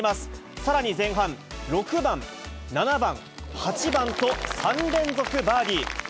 さらに前半６番、７番、８番と、３連続バーディー。